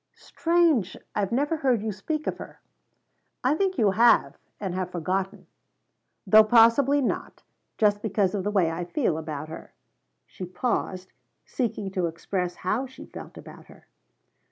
"Strange I've never heard you speak of her." "I think you have, and have forgotten. Though possibly not just because of the way I feel about her." She paused, seeking to express how she felt about her.